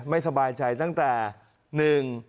ไม่สบายใจตั้งแต่